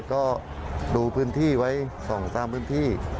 ก็ดูพื้นที่ไว้๒๓พื้นที่